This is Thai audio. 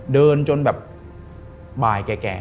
เดินจนแบบบ่ายแก่